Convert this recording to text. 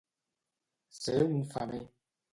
Ser un femer.